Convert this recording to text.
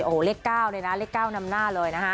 โอ้โหเรียกเก้าเลยนะเรียกเก้าแบบน้ำหน้า